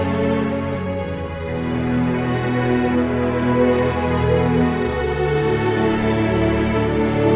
mak gak mau sobri menggolongmu